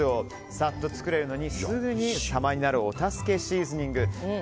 さっと作れるのにすぐに様になるお助けシーズニング。